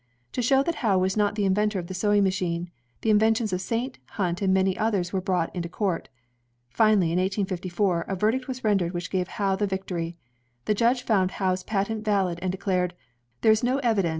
To show that Howe was not the inventor of the sewing ma chine, the inventions of Saint, Hunt, and many others were brought into court. Finally, in 1854, a verdict was rendered which gave Howe the victory. The judge found Howe's patent vaUd, and declared: There is no evidence